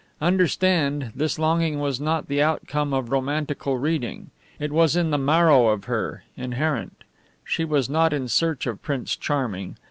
Understand, this longing was not the outcome of romantical reading; it was in the marrow of her inherent. She was not in search of Prince Charming.